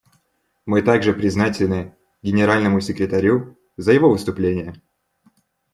Мы также признательны Генеральному секретарю за его выступление.